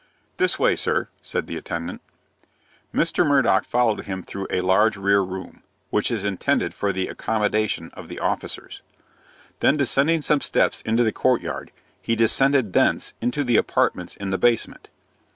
"This way, sir," said the attendant. Mr. Murdock followed him through a large rear room, which is intended for the accommodation of the officers. Then, descending some steps into the courtyard, he descended thence into the apartments in the basement.